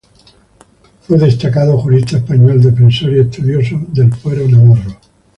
Fue un destacado jurista español, defensor y estudioso del Fuero Navarro.